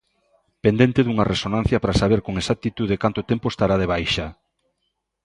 Pendente dunha resonancia para saber con exactitude canto tempo estará de baixa.